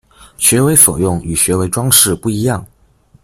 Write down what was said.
学为所用与学为‘装饰’不一样